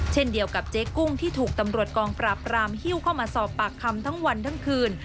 เช่นเดียวกับเจ๊กุ้งที่ถูกตำรวจกองปราบรามฮิ้วเข้ามาสอบปากคำทั้งวันทั้งคืน